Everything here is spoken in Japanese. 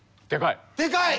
でかい。